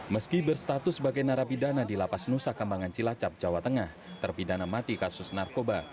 meski berstatus sebagai narapidana di lapas nusa kambangan cilacap jawa tengah terpidana mati kasus narkoba